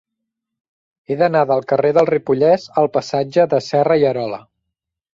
He d'anar del carrer del Ripollès al passatge de Serra i Arola.